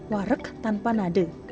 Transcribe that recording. warg tanpa nadeh